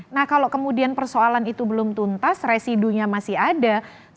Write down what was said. nah kalau kemudian persoalan itu belum tuntas residunya masih ada